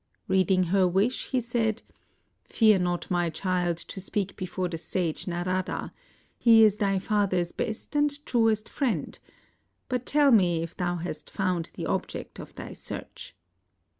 Reading her wish, he said, "Fear not, my child, to speak before the sage Narada; he is thy father's best and truest friend; but tell me if thou hast found the object of thy search."